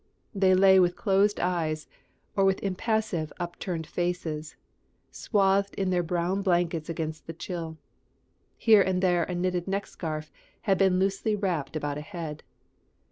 They lay with closed eyes, or with impassive, upturned faces, swathed in their brown blankets against the chill. Here and there a knitted neck scarf had been loosely wrapped about a head.